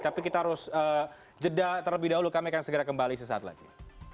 tapi kita harus jeda terlebih dahulu kami akan segera kembali sesaat lagi